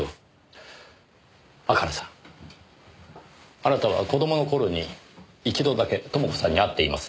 あなたは子供の頃に一度だけ朋子さんに会っていますねぇ。